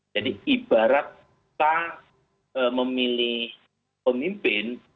jadi ibarat pak memilih pemimpin